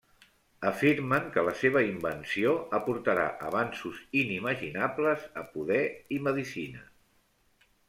Afirmen que la seva invenció aportarà avanços inimaginables a poder i medicina.